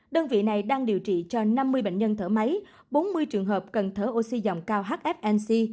đơn vị này đang điều trị cho năm mươi bệnh nhân thở máy bốn mươi trường hợp cần thở oxy dòng cao hfnc